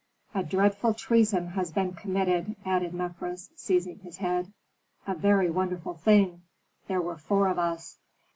"A dreadful treason has been committed," added Mefres, seizing his head. "A very wonderful thing! There were four of us."